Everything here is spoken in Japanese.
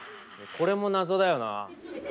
これも謎だよな。